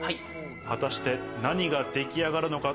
果たして何ができ上がるのか？